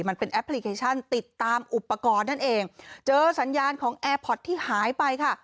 แอปพลิเคชันติดตามอุปกรณ์นั่นเองเจอสัญญาณของแอร์พอร์ตที่หายไปค่ะ